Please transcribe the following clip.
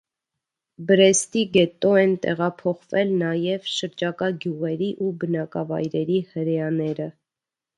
Բրեստի գետտո են տեղափոխվել նաև շրջակա գյուղերի ու բնակավայրերի հրեաները։